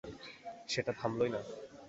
সেটা থামলই না।